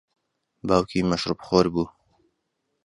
باوکی مەشروبخۆر بوو.